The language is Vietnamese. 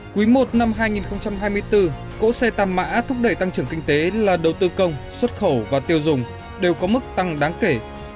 quý i năm hai nghìn hai mươi bốn cỗ xe tàm mã thúc đẩy tăng trưởng kinh tế là đầu tư công xuất khẩu và tiêu dùng đều có mức tăng đáng kể